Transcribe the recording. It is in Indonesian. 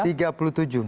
tiga puluh tujuh